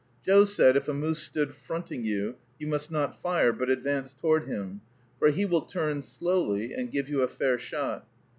Joe said, if a moose stood fronting you, you must not fire, but advance toward him, for he will turn slowly and give you a fair shot.